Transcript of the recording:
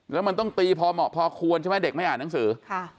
แล้วมันต้องตีพอเหมาะพอควรใช่ไหมเด็กไม่อ่านหนังสือ